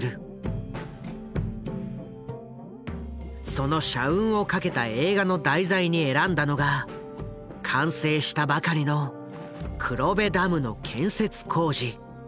その社運をかけた映画の題材に選んだのが完成したばかりの黒部ダムの建設工事。